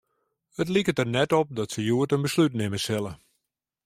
It liket der net op dat se hjoed in beslút nimme sille.